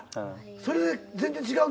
それで全然違う？